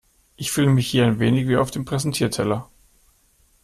Ich fühle mich hier ein wenig wie auf dem Präsentierteller.